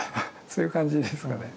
そういう感じですかね。